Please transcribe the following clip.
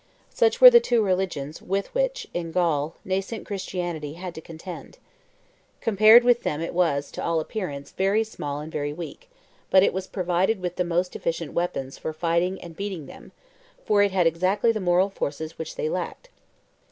Such were the two religions with which, in Gaul, nascent Christianity had to contend. Compared with them it was, to all appearance, very small and very weak; but it was provided with the most efficient weapons for fighting and beating them, for it had exactly the moral forces which they lacked.